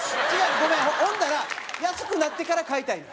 ほんだら安くなってから買いたいのよ。